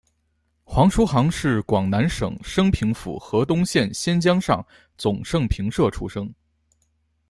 黄叔沆是广南省升平府河东县仙江上总盛平社出生。